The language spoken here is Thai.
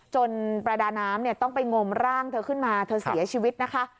ประดาน้ำเนี่ยต้องไปงมร่างเธอขึ้นมาเธอเสียชีวิตนะคะ